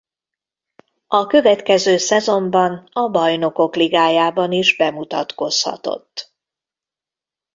A következő szezonban a Bajnokok Ligájában is bemutatkozhatott.